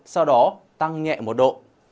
sau đó tăng nhẹ một độ